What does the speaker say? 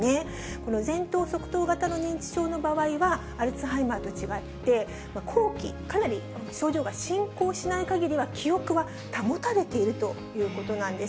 この前頭側頭型の認知症の場合は、アルツハイマーと違って、後期、かなり症状が進行しないかぎりは、記憶は保たれているということなんです。